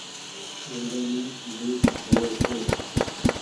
گھري مي ڀوت هووي ڇي۔